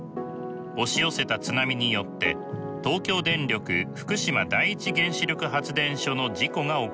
押し寄せた津波によって東京電力福島第一原子力発電所の事故が起こります。